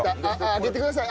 上げてください。